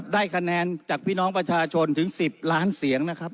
ได้คะแนนจากพี่น้องประชาชนถึง๑๐ล้านเสียงนะครับ